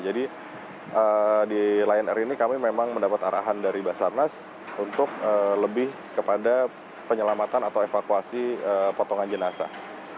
jadi di lion air ini kami memang mendapat arahan dari basarnas untuk lebih kepada penyelamatan atau evakuasi potongan jenazah